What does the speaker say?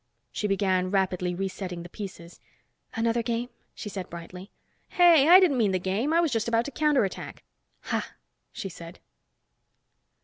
She began rapidly resetting the pieces. "Another game?" she said brightly. "Hey! I didn't mean the game! I was just about to counterattack." "Ha!" she said.